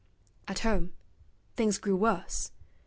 At home things grew worse.